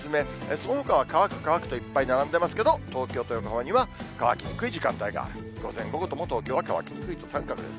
そのほかは乾く、乾くといっぱい並んでますけど、東京と横浜には、乾きにくい時間帯が、午前、午後とも、東京は乾きにくいと、三角です。